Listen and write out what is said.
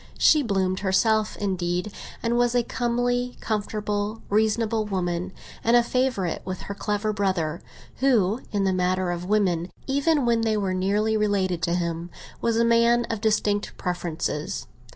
She bloomed herself, indeed, and was a comely, comfortable, reasonable woman, and a favourite with her clever brother, who, in the matter of women, even when they were nearly related to him, was a man of distinct preferences.